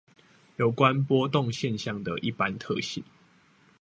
有關波動現象的一般特性